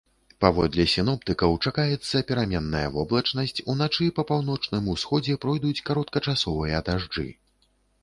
Паводле сіноптыкаў, чакаецца пераменная воблачнасць, уначы па паўночным усходзе пройдуць кароткачасовыя дажджы.